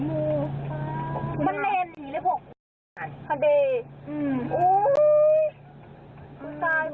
อุ้ย